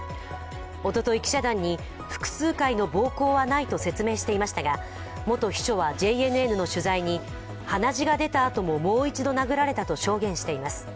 おととい、記者団に複数回の暴行はないと説明していましたが、元秘書はＪＮＮの取材に鼻血が出たあとももう一度殴られたと証言しています。